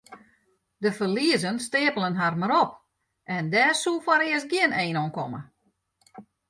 De ferliezen steapelen har mar op en dêr soe foarearst gjin ein oan komme.